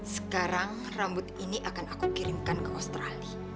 sekarang rambut ini akan aku kirimkan ke australia